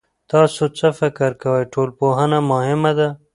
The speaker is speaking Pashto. تاسو څه فکر کوئ، ټولنپوهنه مهمه ده؟